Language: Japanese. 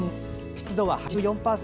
湿度は８４％。